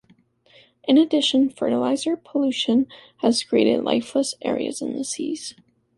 In addition, fertilizer pollution has created lifeless areas in the seas.